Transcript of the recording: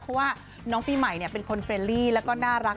เพราะว่าน้องปีใหม่เป็นคนเรลลี่แล้วก็น่ารัก